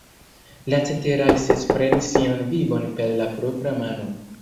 La ceteraj ses prenis sian vivon per la propra mano.